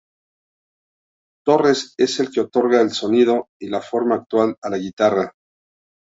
Torres es el que otorga el sonido y la forma actual a la guitarra.